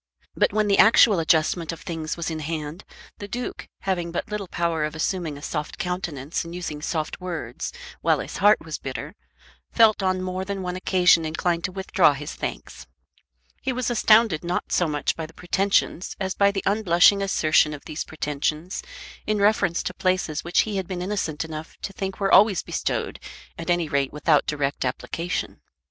But when the actual adjustment of things was in hand, the Duke, having but little power of assuming a soft countenance and using soft words while his heart was bitter, felt on more than one occasion inclined to withdraw his thanks. He was astounded not so much by the pretensions as by the unblushing assertion of these pretensions in reference to places which he had been innocent enough to think were always bestowed at any rate without direct application.